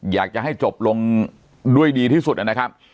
อยากจะให้จบลงด้วยดีที่สุดนะครับ